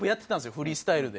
フリースタイルで。